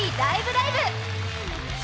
ライブ！」